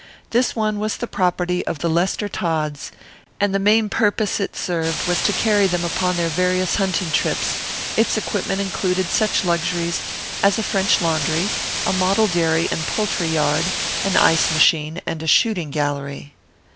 This one was the property of the Lester Todds, and the main purpose it served was to carry them upon their various hunting trips; its equipment included such luxuries as a French laundry, a model dairy and poultry yard, an ice machine and a shooting gallery.